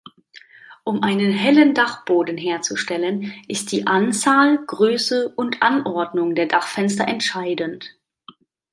Um einen hellen Dachboden herzustellen, ist die Anzahl, Größe und Anordnung der Dachfenster entscheidend.